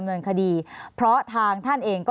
ภารกิจสรรค์ภารกิจสรรค์